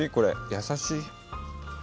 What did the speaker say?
優しい。